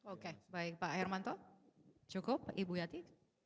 oke baik pak hermanto cukup ibu yati